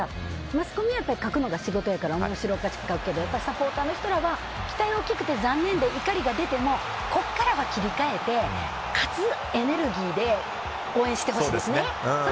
マスコミは書くのが仕事やから面白おかしく書くけどサポーターの人らは期待が大きくて残念で怒りが出てもここからは切り替えて勝つエネルギーで応援してほしいですね。